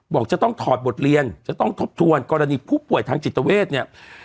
บอกจะต้องถอดบทเรียนจะต้องทบทวนกรณีผู้ป่วยทางจิตเวทเนี่ย